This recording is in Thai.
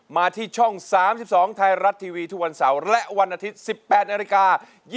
มาที่ช่อง๓๒ไทยรัฐทีวีทุกวันเสาร์และวันอาทิตย์๑๘นาฬิกา